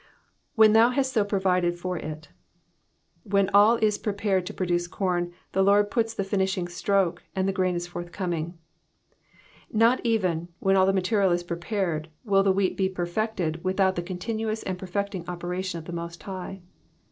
^''When thou hast so provided for i^^. When all is prepared to produce corn, the Lord puts the finishing stroke, and the grain is forthcoming ; not even, when all the material is prepared, will the wheat be per fected without the continuous and perfecting operation of the Most High.